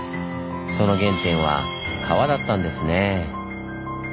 その原点は川だったんですねぇ。